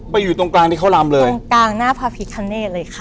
อยู่ตรงกลางที่เขารำเลยตรงกลางหน้าพระพิคเนธเลยค่ะ